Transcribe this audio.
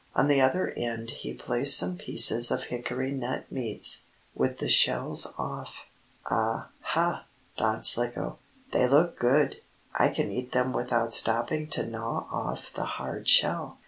On the other end he placed some pieces of hickory nut meats, with the shells off. "Ah, ha!" thought Slicko. "They look good! I can eat them without stopping to gnaw off the hard shell."